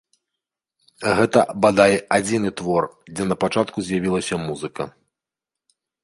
Гэта, бадай, адзіны твор, дзе напачатку з'явілася музыка.